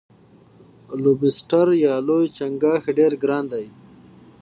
لوبسټر یا لوی چنګاښ ډیر ګران دی.